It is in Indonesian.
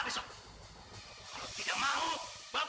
mereka mau pak